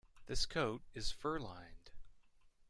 This coat is fur-lined.